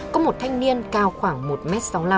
có một thanh niên cao khoảng một m sáu mươi năm